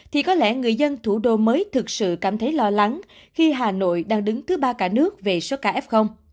thì có lẽ người dân thủ đô mới thực sự cảm thấy lo lắng khi hà nội đang đứng thứ ba cả nước về số ca f